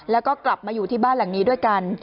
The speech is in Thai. แล้วก็กลับมาอยู่ที่บ้านหลังนี้ด้วยกัน